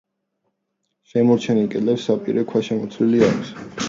შემორჩენილ კედლებს საპირე ქვა შემოცლილი აქვს.